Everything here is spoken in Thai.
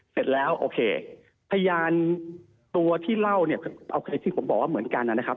เสร็จแล้วโอเคพยานตัวที่เล่าเนี่ยโอเคที่ผมบอกว่าเหมือนกันนะครับ